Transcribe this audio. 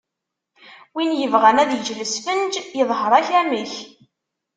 Win yebɣan ad yečč lesfenǧ, iḍher-ak amek.